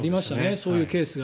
そういうケースが。